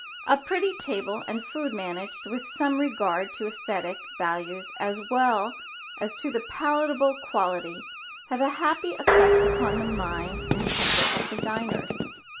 A pretty table and food managed with some regard to esthetic values as well as to the palatable quality, have a happy effect upon the mind and temper of the diners.